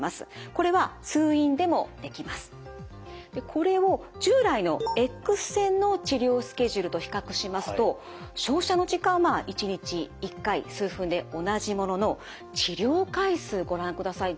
これを従来のＸ線の治療スケジュールと比較しますと照射の時間は１日１回数分で同じものの治療回数ご覧ください